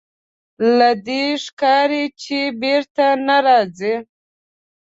له دې ښکاري چې بېرته نه ځې.